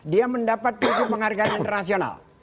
dia mendapat pupuk penghargaan internasional